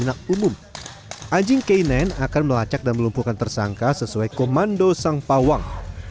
jadi anjing k sembilan akan melacak dan melumpuhkan tersangka sesuai komando sang pawang